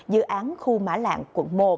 dự án khu mã lạng quận một